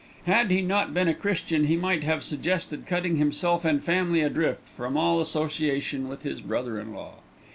Had he not been a Christian he might have suggested cutting himself and family adrift from all association with his brother in law.